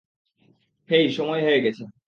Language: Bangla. হেই, সময় হয়ে গেছে।